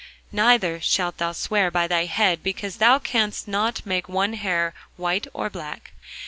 Neither shalt thou swear by thy head, because thou canst not make one hair white or black.